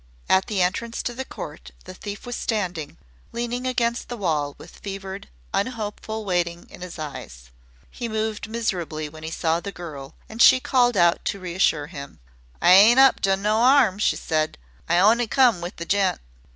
At the entrance to the court the thief was standing, leaning against the wall with fevered, unhopeful waiting in his eyes. He moved miserably when he saw the girl, and she called out to reassure him. "I ain't up to no 'arm," she said; "I on'y come with the gent."